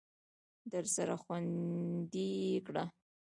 درسره خوندي یې کړه !